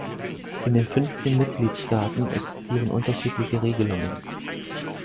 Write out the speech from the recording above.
In den fünfzehn Mitgliedstaaten existieren unterschiedliche Regelungen.